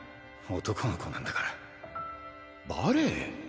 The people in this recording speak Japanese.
男の子なんだからバレエ？